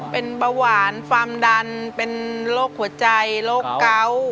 เป็นเบาหวานความดันเป็นโรคหัวใจโรคเกา